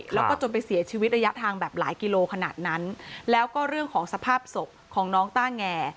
แล้วก็จนไปเสียชีวิตระยะทางแบบหลายกิโลขนาดนั้นแล้วก็เรื่องของสภาพศพของน้องต้าแง